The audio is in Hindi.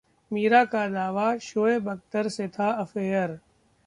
मीरा का दावा, शोएब अख्तर से था अफेयर